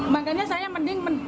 makanya saya mending